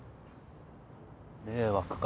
迷惑か？